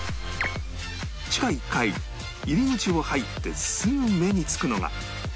地下１階入り口を入ってすぐ目につくのが